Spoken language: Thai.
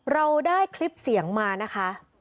เราได้คลิปเสียงมานะคะ